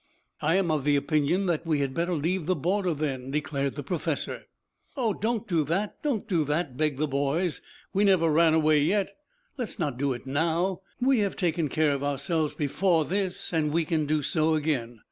"I am of the opinion that we had better leave the border then," declared the professor. "Oh, don't do that, don't do that," begged the boys. "We never ran away yet. Let's not do it now. We have taken care of ourselves before this and we can do so again."